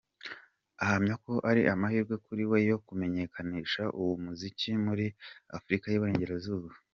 Ahamya ko ari amahirwe kuri we yo kumenyekanisha uwo muziki muri Afurika y’Iburengerazuba.